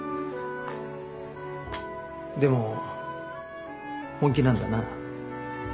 でも本気なんだな。